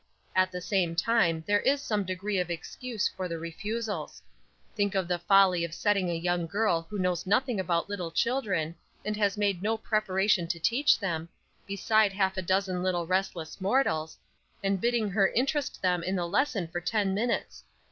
At the same time there is some degree of excuse for the refusals. Think of the folly of setting a young girl who knows nothing about little children, and has made no preparation to teach them, beside half a dozen little restless mortals, and bidding her interest them in the lesson for ten minutes.